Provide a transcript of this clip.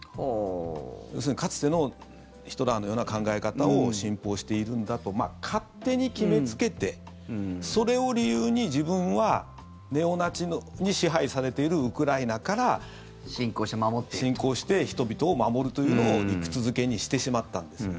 要するにかつてのヒトラーのような考え方を信奉しているんだと勝手に決めつけてそれを理由に自分はネオナチに支配されているウクライナから侵攻して人々を守るというのを理屈付けにしてしまったんですね。